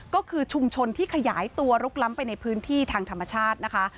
ก็คือชุมชนที่ขยายตัวลุกล้ำไปในพื้นที่ทางธรรมชาตินะคะ